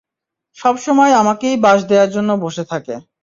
সবসময় আমাকেই বাঁশ দেয়ার জন্য বসে থাকে।